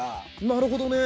なるほどね。